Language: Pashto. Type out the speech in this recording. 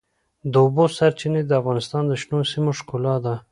د اوبو سرچینې د افغانستان د شنو سیمو ښکلا ده.